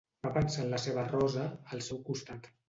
Va pensar en la seva Rosa, al seu costat.